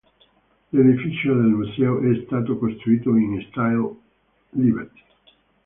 L'edificio del museo è stato costruito in stile Liberty.